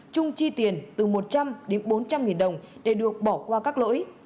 trung chi tiền từ một trăm linh đến bốn trăm linh nghìn đồng để được bỏ qua các lỗi